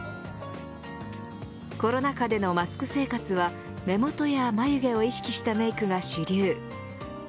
コロナ禍でのマスク生活は目元や眉毛を意識したメークが主流。